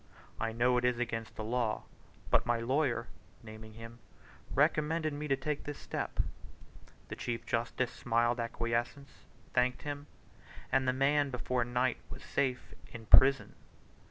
I know it is against the law, but my lawyer (naming him) recommended me to take this step." The Chief Justice smiled acquiescence, thanked him, and the man before night was safe in prison.